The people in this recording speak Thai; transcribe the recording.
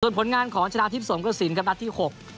ผลงานของชนะทิพย์สงกระสินครับนัดที่๖